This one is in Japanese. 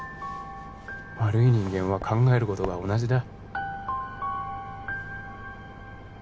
悪い人間は考えることが同じだ